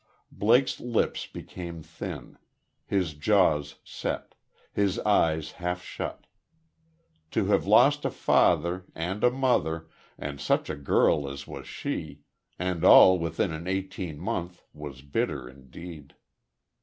Blake's lips became thin; his jaws set; his eyes half shut. To have lost a father, and a mother, and such a girl as was she, and all within an eighteen month, was bitter, indeed.